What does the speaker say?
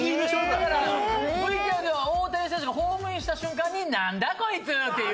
だからＶＴＲでは大谷選手がホームインした瞬間に「なんだこいつ！」っていう。